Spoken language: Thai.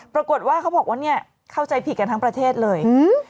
ปรากฏว่าเขาบอกว่าเนี่ยเข้าใจผิดกันทั้งประเทศเลย